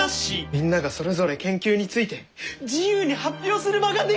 みんながそれぞれ研究について自由に発表する場が出来たら！